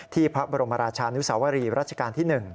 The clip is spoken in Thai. พระบรมราชานุสาวรีรัชกาลที่๑